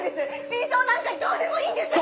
真相なんかどうでもいいんです！